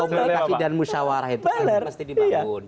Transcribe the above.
komunikasi dan musyawarah itu pasti dibangun